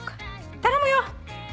頼むよ！